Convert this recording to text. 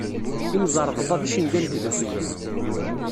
Imẓerbeḍḍa d icenga n tdukli.